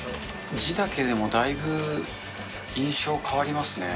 字だけでもだいぶ印象変わりますね。